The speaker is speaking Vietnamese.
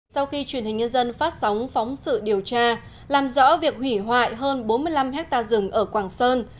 sau khi truyền hình nhân dân phát sóng phóng sự điều tra làm rõ việc hủy hoại hơn bốn mươi năm hectare rừng ở quảng sơn